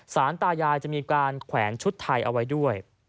สารตายายจะมีการแขวนชุดไทยเอาไว้ด้วย